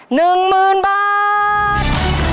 ๑หมื่นบาท